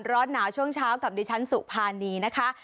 ร้อนหนาวช่วงเช้ากับดิฉันสุภานีนะคะ